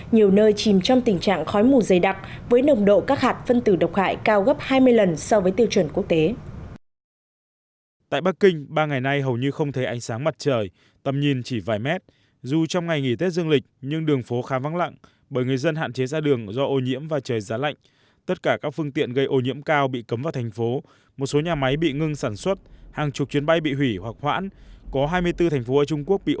nhiều nơi chìm trong tình trạng khói mù dày đặc với nồng độ các hạt phân tử độc hại cao gấp hai mươi lần so với tiêu chuẩn quốc tế